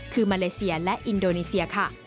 คือมาเลเซียและอินโดนีเซียค่ะ